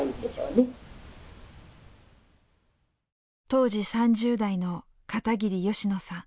当時３０代の片桐ヨシノさん。